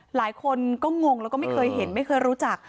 หลายคนก็งงแล้วก็ไม่เคยเห็นไม่เคยรู้จัก